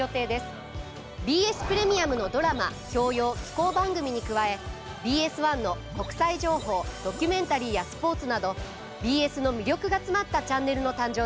ＢＳプレミアムのドラマ教養紀行番組に加えＢＳ１の国際情報ドキュメンタリーやスポーツなどＢＳの魅力が詰まったチャンネルの誕生です。